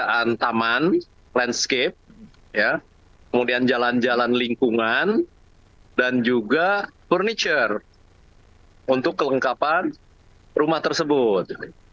ada taman landscape kemudian jalan jalan lingkungan dan juga furniture untuk kelengkapan rumah tersebut